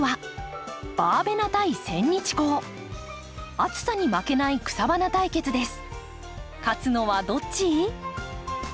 暑さに負けない草花対決です。